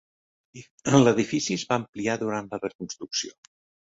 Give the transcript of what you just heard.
L'edifici es va ampliar durant la reconstrucció.